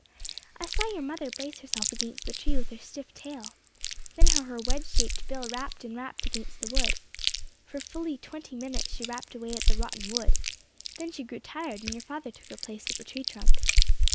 "I saw your mother brace herself against the tree with her stiff tail. Then how her wedge shaped bill rapped and rapped against the wood. For fully twenty minutes she rapped away at the rotten wood. Then she grew tired and your father took her place at the tree trunk.